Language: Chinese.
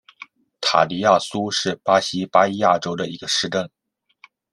塔尼亚苏是巴西巴伊亚州的一个市镇。